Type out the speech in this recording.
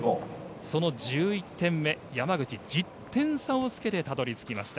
その１１点目山口、１０点差をつけてたどり着きました。